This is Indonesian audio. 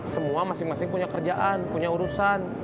semua masing masing punya kerjaan punya urusan